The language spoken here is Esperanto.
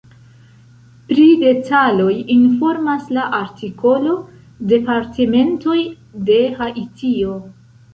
Pri detaloj informas la artikolo departementoj de Haitio.